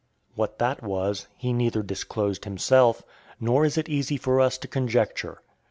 What that was, he neither disclosed himself, nor is it easy for us to conjecture.